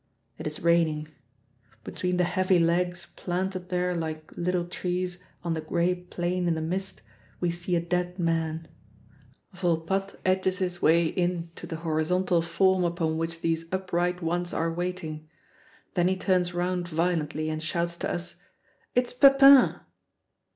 It is raining. Between the heavy legs planted there like little trees on the gray plain in the mist we see a dead man. Volpatte edges his way in to the horizontal form upon which these upright ones are waiting; then he turns round violently and shouts to us, "It's Pepin!"